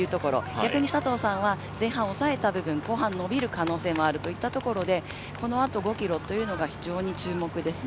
逆に佐藤さんは前半抑えた分、後半伸びる可能性もあるといったところでこのあと５ｋｍが非常に注目ですね。